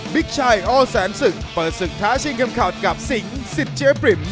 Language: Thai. ชัยอแสนศึกเปิดศึกท้าชิงเข็มขัดกับสิงสิทธิเจ๊ปริ่ม